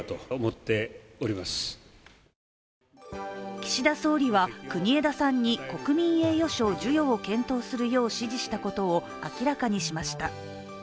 岸田総理は国枝さんに国民栄誉賞授与を検討することを指示したことを明らかにしました。